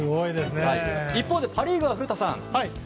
一方、パ・リーグは古田さん。